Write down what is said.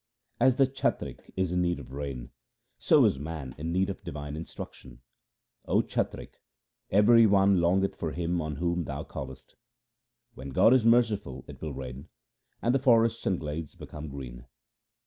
As the chatrik is in need of rain, so is man in need of divine instruction :— O chatrik, every one longeth for Him on whom thou callest. When God is merciful it will rain, and the forests and glades become green.